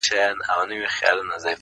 چي په ګور کي به یې مړې خندوله،